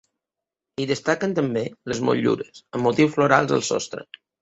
I destaquen també les motllures amb motius florals al sostre.